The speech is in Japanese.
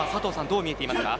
どう見ていますか。